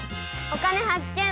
「お金発見」。